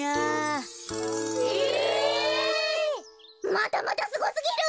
またまたすごすぎる！